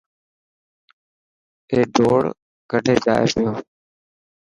اي ڊوڙ ڪڍي جائي پيو.